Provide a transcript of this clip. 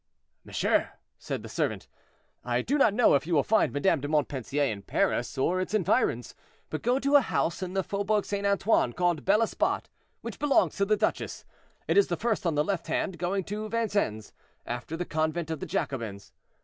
"Monsieur," said the servant, "I do not know if you will find Madame de Montpensier in Paris or its environs; but go to a house in the Faubourg St. Antoine, called Bel Esbat, which belongs to the duchesse; it is the first on the left hand going to Vincennes, after the convent of the Jacobins.